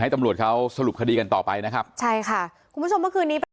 ตำรวจเขาสรุปคดีกันต่อไปนะครับใช่ค่ะคุณผู้ชมเมื่อคืนนี้เป็น